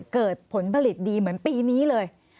เกิดผลผลิตดีเหมือนปีนี้เลย